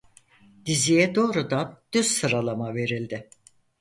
Diziye doğrudan düz sıralama verildi.